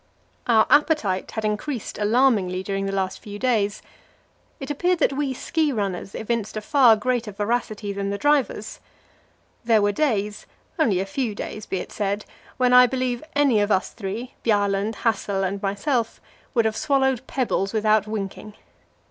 Our appetite had increased alarmingly during the last few days. It appeared that we ski runners evinced a far greater voracity than the drivers. There were days only a few days, be it said when I believe any of us three Bjaaland, Hassel, and myself would have swallowed pebbles without winking.